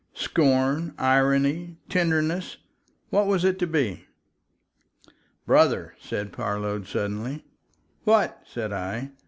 Scorn, irony, tenderness—what was it to be? "Brother!" said Parload, suddenly. "What?" said I.